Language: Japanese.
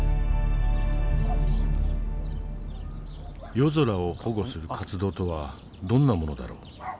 夜空を保護する活動とはどんなものだろう？